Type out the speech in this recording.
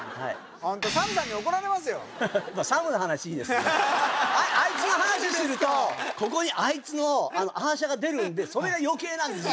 ホントあいつの話するとここにあいつのアー写が出るんでそれがよけいなんですよ